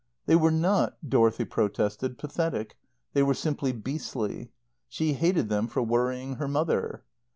They were not, Dorothy protested, pathetic; they were simply beastly. She hated them for worrying her mother.